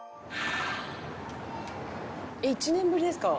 「１年ぶりですか？」